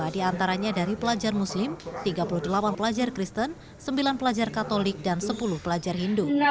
dua puluh diantaranya dari pelajar muslim tiga puluh delapan pelajar kristen sembilan pelajar katolik dan sepuluh pelajar hindu